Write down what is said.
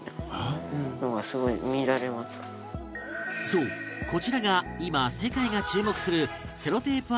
そうこちらが今世界が注目するセロテープ